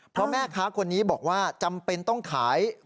เพราะแม่ค้าคนนี้บอกว่าจำเป็นต้องขาย